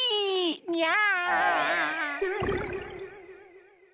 にゃー。